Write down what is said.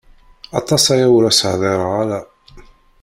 Aṭas aya ur as-hdireɣ ara.